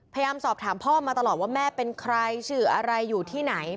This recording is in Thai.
พยายามสอบถามพ่อมาตลอดว่าแม่เป็นใครชื่ออะไรอยู่ที่ไหน